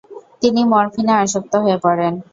তিনি মরফিনে আসক্ত হয়ে পড়েন।